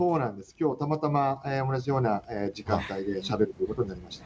きょうたまたま同じような時間帯でしゃべるということになりました。